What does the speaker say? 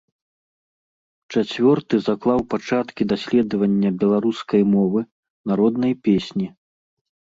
Чацвёрты заклаў пачаткі даследавання беларускай мовы, народнай песні.